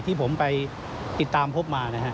ที่ผมไปติดตามพบมานะฮะ